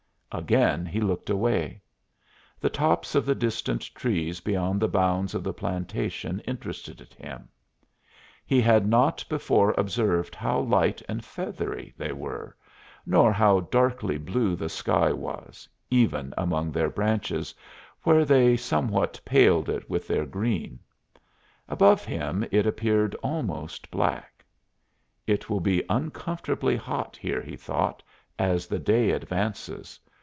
Again he looked away. The tops of the distant trees beyond the bounds of the plantation interested him: he had not before observed how light and feathery they were, nor how darkly blue the sky was, even among their branches, where they somewhat paled it with their green; above him it appeared almost black. "It will be uncomfortably hot here," he thought, "as the day advances.